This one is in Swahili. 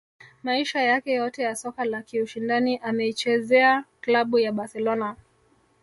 Maisha yake yote ya soka la kiushindani ameichezea klabu ya Barcelona